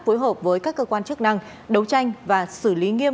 phối hợp với các cơ quan chức năng đấu tranh và xử lý nghiêm